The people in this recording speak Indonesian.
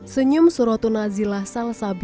senyum suratu nazila salsabila merekah setiap pagi